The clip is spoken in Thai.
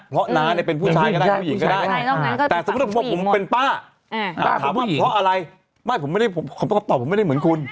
เพราะน้าเนี่ยเป็นผู้ชายก็ได้ผู้หญิงก็ได้